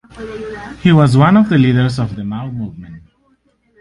He was one of the leaders of the Mau movement.